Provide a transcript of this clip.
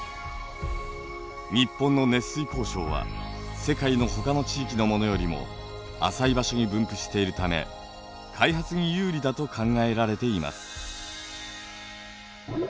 日本の熱水鉱床は世界のほかの地域のものよりも浅い場所に分布しているため開発に有利だと考えられています。